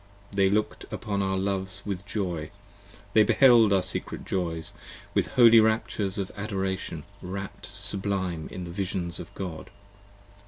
They looked upon our loves with joy: they beheld our secret joys: With holy raptures of adoration rap'd sublime in the visions of God.